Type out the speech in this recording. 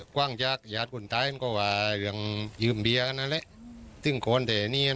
ก็เลยโกรธ